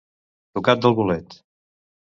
Tocat del bolet.